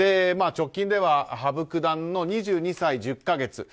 直近では羽生九段の２２歳１０か月。